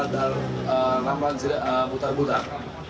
saudara ramban putar butar